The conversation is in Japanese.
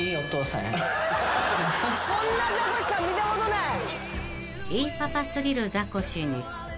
こんなザコシさん見たことない。